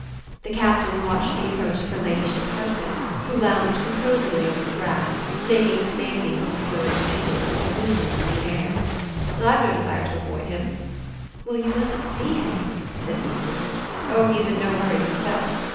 The Captain watched the approach of her ladyship's husband, who lounged composedly over the grass, making to Maisie with his closed fingers a little movement in the air. "I've no desire to avoid him." "Well, you mustn't see him," said Maisie. "Oh he's in no hurry himself!"